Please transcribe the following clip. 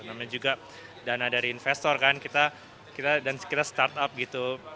namanya juga dana dari investor kan kita dan sekitar startup gitu